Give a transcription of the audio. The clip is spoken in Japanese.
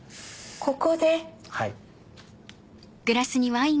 ここで？